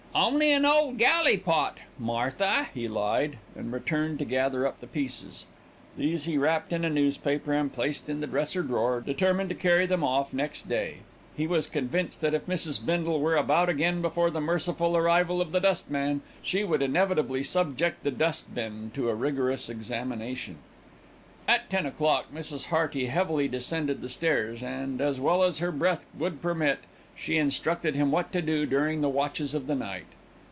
"Only an old galley pot, Martha," he lied, and returned to gather up the pieces. These he wrapped in a newspaper and placed in the dresser drawer, determined to carry them off next day. He was convinced that if Mrs. Bindle were about again before the merciful arrival of the dustman, she would inevitably subject the dust bin to a rigorous examination. At ten o'clock, Mrs. Hearty heavily descended the stairs and, as well as her breath would permit, she instructed him what to do during the watches of the night.